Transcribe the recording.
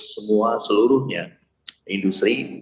semua seluruhnya industri